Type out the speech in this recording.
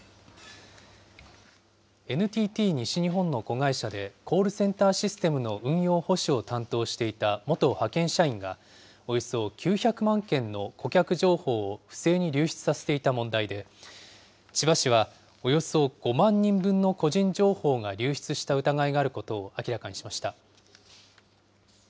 ＮＴＴ西日本の子会社で、コールセンターシステムの運用保守を担当していた元派遣社員が、およそ９００万件の顧客情報を不正に流出させていた問題で、千葉市はおよそ５万人分の個人情報が流出した疑いがあることを明らかにしました。